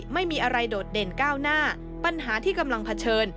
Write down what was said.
ไม่มีอะไรโดดเด่นก้าวหน้าปัญหาที่กำลังเผชิญ